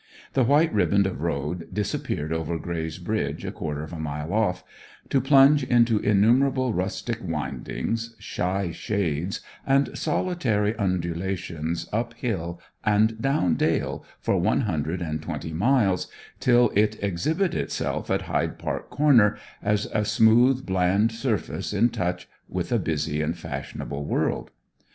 The white riband of road disappeared over Grey's Bridge a quarter of a mile off, to plunge into innumerable rustic windings, shy shades, and solitary undulations up hill and down dale for one hundred and twenty miles till it exhibited itself at Hyde Park Corner as a smooth bland surface in touch with a busy and fashionable world.